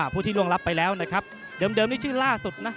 ผู้ที่ล่วงรับไปแล้วนะครับเดิมนี่ชื่อล่าสุดนะ